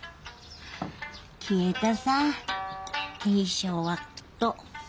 消えたさぁ恵尚はきっと。